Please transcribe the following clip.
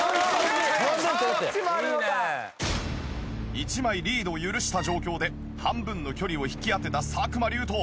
１枚リードを許した状況で半分の距離を引き当てた作間龍斗。